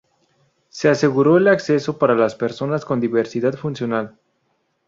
Se aseguró el acceso para las personas con diversidad funcional.